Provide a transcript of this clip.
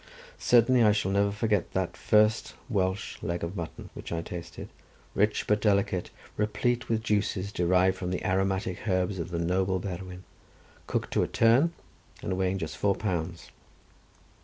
Certainly I shall never forget the first Welsh leg of mutton which I tasted, rich but delicate, replete with juices derived from the aromatic herbs of the noble Berwyn, cooked to a turn, and weighing just four pounds.